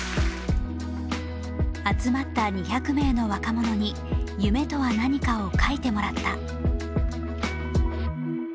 集まった２００名の若者に「夢とは何か？」を書いてもらった。